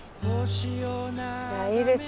いやいいですね。